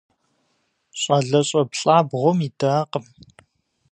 Щӏалэщӏэ плӏабгъуэм идакъым.